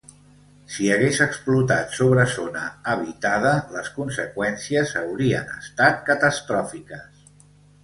Si hagués explotat sobre zona habitada, les conseqüències haurien estat catastròfiques.